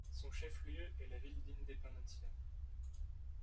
Son chef-lieu est la ville d'Independencia.